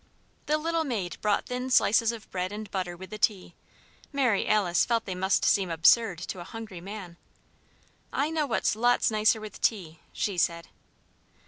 The little maid brought thin slices of bread and butter with the tea. Mary Alice felt they must seem absurd to a hungry man. "I know what's lots nicer with tea," she said.